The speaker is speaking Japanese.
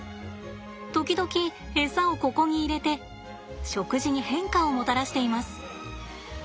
時々エサをここに入れて食事に変化をもたらしています。